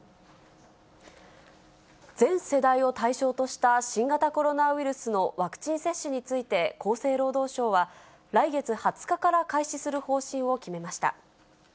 全世代を対象とした新型コロナウイルスのワクチン接種について、厚生労働省は、来月２０日から開始する方針を決めました。